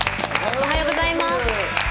おはようございます。